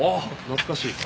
懐かしい。